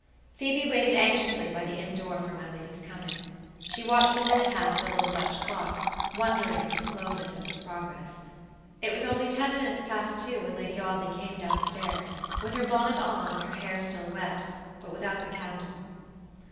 Phoebe waited anxiously by the inn door for my lady's coming She watched the minute hand of the little Dutch clock, wondering at the slowness of its progress. It was only ten minutes past two when Lady Audley came down stairs, with her bonnet on and her hair still wet, but without the candle.